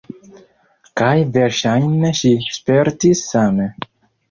Kaj verŝajne ŝi spertis same.